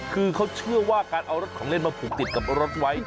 คือเขาเชื่อว่าการเอารถของเล่นมาผูกติดกับรถไว้